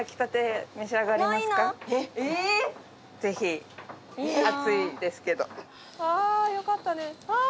ええっぜひ熱いですけどああよかったねああ